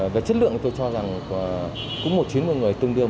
về chất lượng tôi cho rằng cũng một chuyến người tương đương